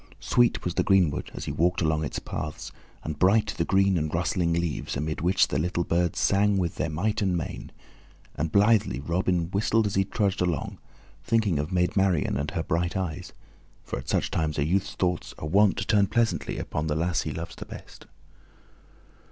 Sweet was the greenwood as he walked along its paths, and bright the green and rustling leaves, amid which the little birds sang with might and main: and blithely Robin whistled as he trudged along, thinking of Maid Marian and her bright eyes, for at such times a youth's thoughts are wont to turn pleasantly upon the lass that he loves the best.